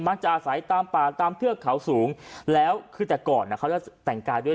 จะอาศัยตามป่าตามเทือกเขาสูงแล้วคือแต่ก่อนเขาจะแต่งกายด้วย